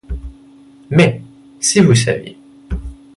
Mais, si vous saviez!